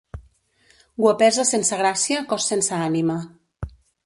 Guapesa sense gràcia, cos sense ànima.